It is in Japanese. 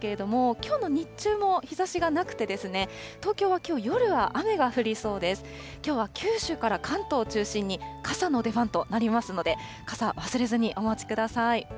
きょうは九州から関東を中心に傘の出番となりますので、傘、忘れずにお持ちください。